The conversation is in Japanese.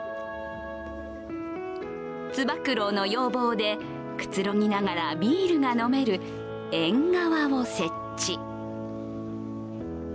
つば九郎の要望でくつろぎながらビールが飲める縁側を設置。